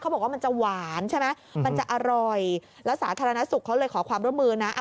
บอกว่ามันจะหวานใช่ไหมมันจะอร่อยแล้วสาธารณสุขเขาเลยขอความร่วมมือนะ